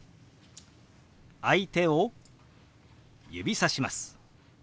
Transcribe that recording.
相手を指さします。